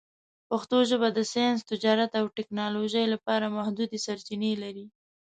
پښتو ژبه د ساینس، تجارت، او ټکنالوژۍ لپاره محدودې سرچینې لري.